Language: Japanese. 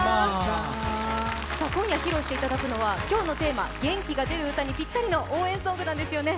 今夜、披露していただくのは今夜のテーマ元気が出る歌にぴったりの応援ソングなんですよね。